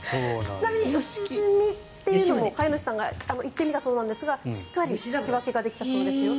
ちなみに「よしずみ」というのも飼い主さんが言ってみたそうなんですがしっかり聞き分けができたそうですよ。